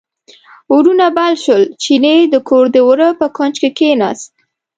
اورونه بل شول، چیني د کور د وره په کونج کې کیناست.